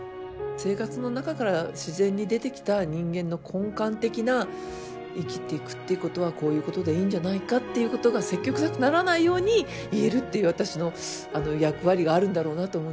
生活の中から自然に出てきた人間の根幹的な生きていくっていうことはこういうことでいいんじゃないかっていうことが説教臭くならないように言えるっていう私の役割があるんだろうなと思うんですよね。